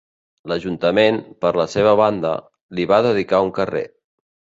L'Ajuntament, per la seva banda, li va dedicar un carrer.